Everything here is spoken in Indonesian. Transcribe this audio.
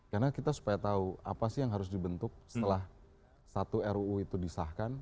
karena kita supaya tahu apa sih yang harus dibentuk setelah satu ruu itu disahkan